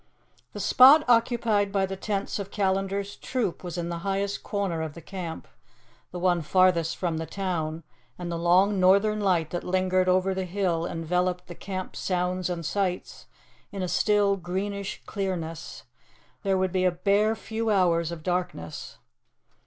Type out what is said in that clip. The spot occupied by the tents of Callandar's troop was in the highest corner of the camp, the one farthest from the town, and the long northern light that lingered over the hill enveloped the camp sounds and sights in a still, greenish clearness. There would be a bare few hours of darkness.